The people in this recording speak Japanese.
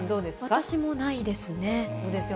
私もないですね。